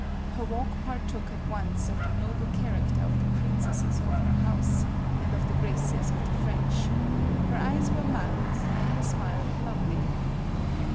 Her walk partook at once of the noble character of the princesses of her house, and of the graces of the French ; her eyes were mild — her smile lovely.